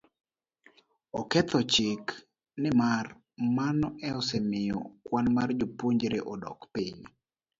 oketho chik, nimar mano osemiyo kwan mar jopuonjre odok piny,